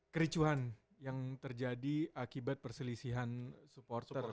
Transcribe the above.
kericuhan yang terjadi akibat perselisihan supporter